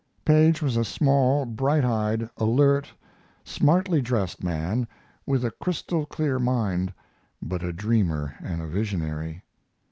Paige was a small, bright eyed, alert, smartly dressed man, with a crystal clear mind, but a dreamer and a visionary.